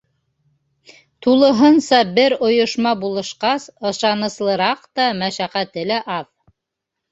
Тулыһынса бер ойошма булышҡас, ышаныслыраҡ та, мәшәҡәте лә аҙ.